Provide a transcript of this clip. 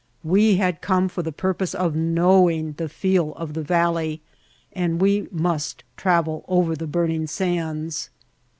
We had come for the purpose of knowing the feel of the valley and we must travel over the burning sands.